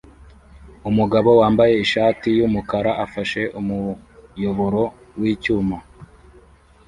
Umugabo wambaye ishati yumukara afashe umuyoboro wicyuma